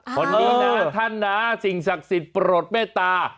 คนนี้นะท่านนะสิ่งศักดิ์สิทธิ์โปรดเมตตา